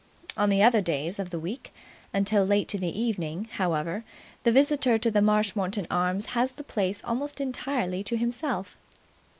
On the other days of the week, until late in the evening, however, the visitor to the Marshmoreton Arms has the place almost entirely to himself.